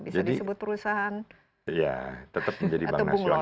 bisa disebut perusahaan atau bumlok